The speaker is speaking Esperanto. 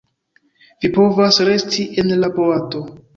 Vi povas resti en la boato.